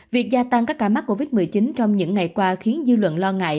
việc gia tăng các ca mắc covid một mươi chín trong những ngày qua khiến dư luận lo ngại